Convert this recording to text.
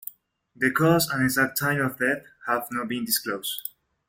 The cause and exact time of death have not been disclosed.